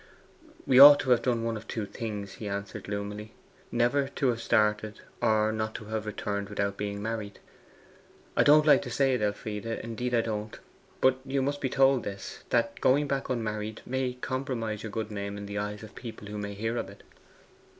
'We ought to have done one of two things,' he answered gloomily. 'Never to have started, or not to have returned without being married. I don't like to say it, Elfride indeed I don't; but you must be told this, that going back unmarried may compromise your good name in the eyes of people who may hear of it.